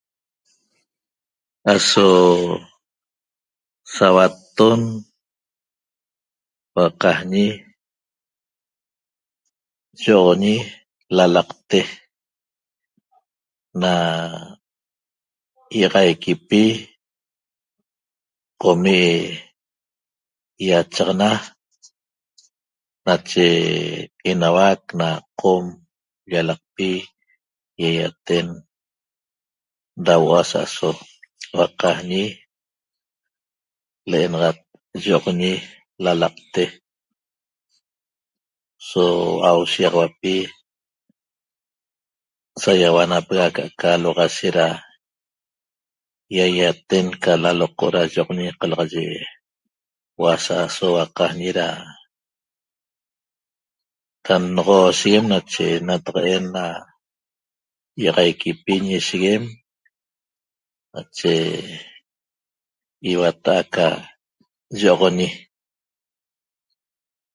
Aso sauatton huaqajñi yi'oxoñi lalaqte na ýi'axaiquipi qomi' ýachaxana nache enauac na Qom llalaqpi ýaýaten da huo'o asa'aso huaqajñi l'enaxat yi'oxoñi lalaqte so hua'au shiýaxauapi sa ýauanapega aca'aca luaxashe da ýaýaten ca laloqo' da yi'oxoñi qalaye huo'o asa'aso huaqajñi da da nnoxosheguem nataq'en na ýi'ixaiquipi ñisheguem nache iuata'a ca yi'oxoñi